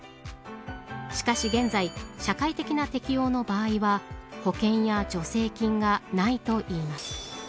しかし現在社会的な適応の場合は保険や助成金がないといいます。